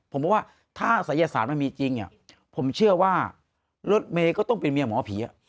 ผมบอกว่าถ้าศัยศาสตร์มันมีจริงผมเชื่อว่ารถเมย์ก็ต้องเป็นเมียหมอผี